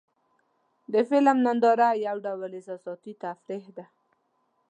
د فلم ننداره یو ډول احساساتي تفریح ده.